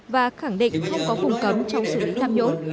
và khẳng định không có phùng cấm trong xử lý tham nhũng